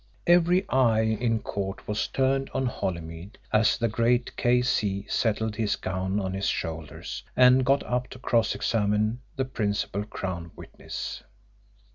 Every eye in court was turned on Holymead as the great K.C. settled his gown on his shoulders and got up to cross examine the principal Crown witness.